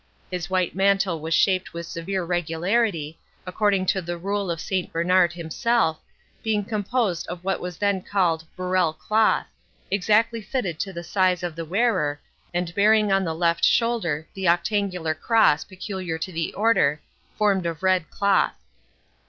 His white mantle was shaped with severe regularity, according to the rule of Saint Bernard himself, being composed of what was then called Burrel cloth, exactly fitted to the size of the wearer, and bearing on the left shoulder the octangular cross peculiar to the Order, formed of red cloth.